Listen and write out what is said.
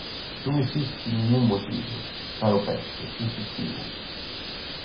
"Non existe nin un motivo" para o peche, insistiu.